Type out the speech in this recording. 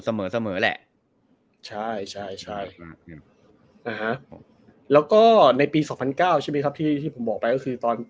เสมอเสมอแหละใช่ใช่นะฮะแล้วก็ในปี๒๐๐๙ใช่ไหมครับที่ที่ผมบอกไปก็คือตอน